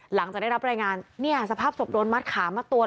หลังจากได้รับรายงานเนี่ยสภาพศพโดนมัดขามัดตัว